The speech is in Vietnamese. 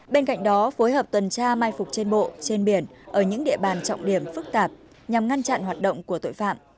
bên cạnh đó phối hợp tuần tra mai phục trên bộ trên biển ở những địa bàn trọng điểm phức tạp nhằm ngăn chặn hoạt động của tội phạm